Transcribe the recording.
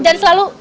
tidak dan selalu